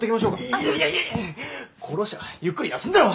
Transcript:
いやいやいやいや功労者はゆっくり休んでろ。